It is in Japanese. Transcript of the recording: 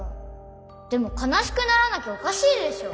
でもかなしくならなきゃおかしいでしょ。